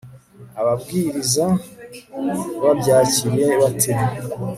ababwiriza babyakiriye bate